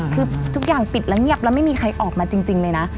คือทุกอย่างปิดแล้วเงียบแล้วไม่มีใครออกมาจริงเลยนะ